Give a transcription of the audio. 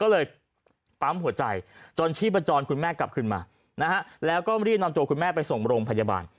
ก็เลยปั๊มหัวใจจนชีพจรคุณแม่กลับขึ้นมานะฮะแล้วก็รีบนำตัวคุณแม่ไปส่งโรงพยาบาล